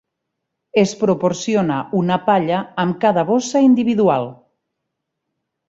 Es proporciona una palla amb cada bossa individual.